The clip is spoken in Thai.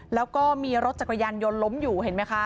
แล้วก็มีรถจักรยานยนต์ล้มอยู่เห็นไหมคะ